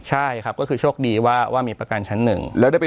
ใช่ครับก็คือโชคดีว่าว่ามีประกันชั้นหนึ่งแล้วได้ไป